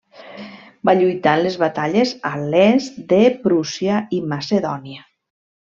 Va lluitar en les batalles a l'est de Prússia i Macedònia.